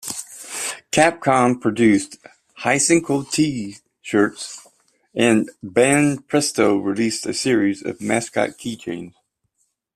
Capcom produced Hsien-Ko T-shirts and Banpresto released a series of mascot key chains.